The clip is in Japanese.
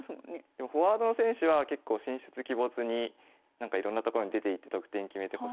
でもフォワードの選手は結構神出鬼没にいろんな所に出ていって得点決めてほしいと思うので。